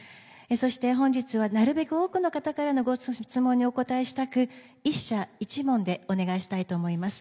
そして本日はなるべく多くの方からのご質問にお答えしたく１社１問でお願いしたいと思います。